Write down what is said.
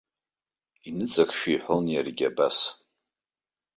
Иныҵакшәа иҳәон иаргьы абас.